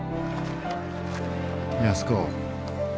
安子。